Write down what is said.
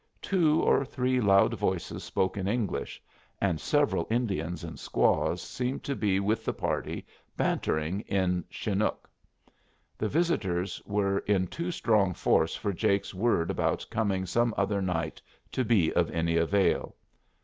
Two or three loud voices spoke in English, and several Indians and squaws seemed to be with the party, bantering in Chinook. The visitors were in too strong force for Jake's word about coming some other night to be of any avail.